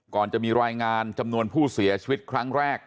ก่อนจะมีรายงานจำนวนผู้เสียชีวิตครั้งแรก